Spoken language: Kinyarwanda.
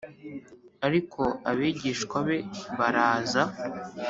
Ariko abigishwa be baraza